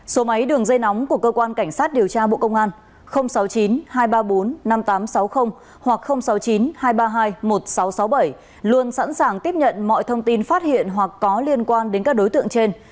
số máy đường dây nóng của cơ quan cảnh sát điều tra bộ công an sáu mươi chín hai trăm ba mươi bốn năm nghìn tám trăm sáu mươi hoặc sáu mươi chín hai trăm ba mươi hai một nghìn sáu trăm sáu mươi bảy luôn sẵn sàng tiếp nhận mọi thông tin phát hiện hoặc có liên quan đến các đối tượng trên